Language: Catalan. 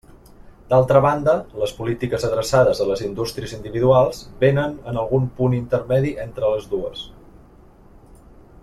D'altra banda, les polítiques adreçades a les indústries individuals vénen en algun punt intermedi entre les dues.